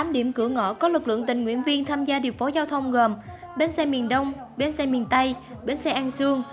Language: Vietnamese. tám điểm cửa ngõ có lực lượng tình nguyện viên tham gia điều phối giao thông gồm bến xe miền đông bến xe miền tây bến xe an sương